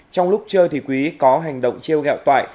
trong lúc chơi thì quý có hành động chiêu gẹo toại